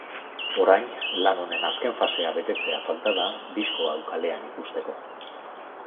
Orain, lan honen azken fasea betetzea falta da disko hau kalean ikusteko.